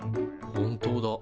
本当だ。